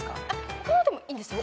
他のでもいいんですよ。